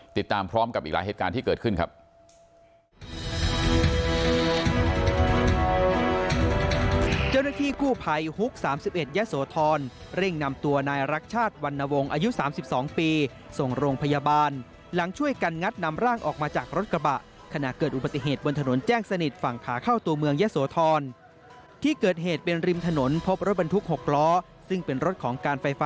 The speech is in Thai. ติดตามพร้อมกับอีกหลายเหตุการณ์ที่เกิดขึ้นครับ